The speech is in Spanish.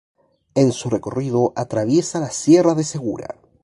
En su recorrido atraviesa la Sierra de Segura.